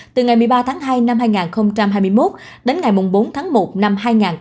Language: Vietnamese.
từ ngày một mươi ba tháng hai năm hai nghìn hai mươi một đến ngày bốn tháng một năm hai nghìn hai mươi bốn